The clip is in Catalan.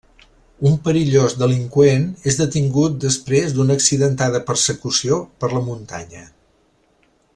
Un perillós delinqüent és detingut després d'una accidentada persecució per la muntanya.